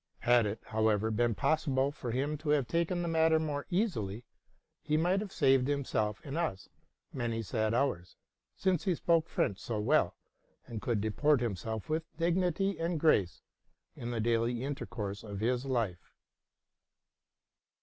Had it, however, been possible for him to have taken the matter more easily, he might have saved himself and us many sad hours ; since he spoke French well, and could deport himself with dignity and grace in the daily intercourse of life.